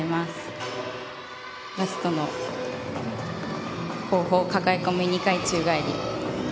ラストの後方かかえ込み２回宙返り。